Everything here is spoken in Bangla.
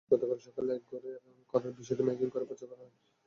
সালিসের সিদ্ধান্ত অনুযায়ী গতকাল সকালে একঘরে করার বিষয়টি মাইকিং করে প্রচার করা হয়।